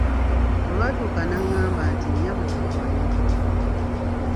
Olwatuuka ng'angamba nti, "nnyabo we wano."